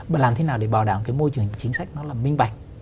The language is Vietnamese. và làm thế nào để bảo đảm môi trường chính sách nó là minh bạch